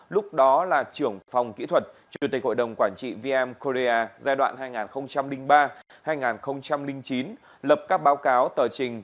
lúc đó là trưởng phòng kỹ thuật chủ tịch hội đồng quản trị vm korea giai đoạn hai nghìn ba hai nghìn chín lập các báo cáo tờ trình